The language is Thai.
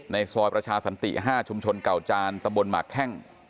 ในซอยประชาสันติ๕ชุมชนเก่าจานตะบนหมากแข้ง